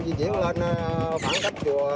di chuyển lên phẳng cấp chùa